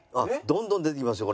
どんどん出てきますよ